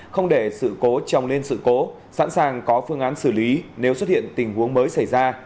không để sự cố trồng lên sự cố sẵn sàng có phương án xử lý nếu xuất hiện tình huống mới xảy ra